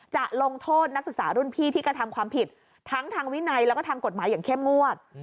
จะลงโทษนักศึกษารุ่นพี่ที่กระทำความผิดทั้งทางวินัยแล้วก็ทางกฎหมายอย่างเข้มงวด